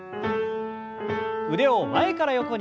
腕を前から横に。